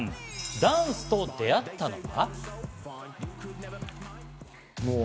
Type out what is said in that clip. ダンスと出会ったのは。